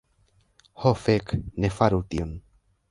Ho fek, ne faru tion.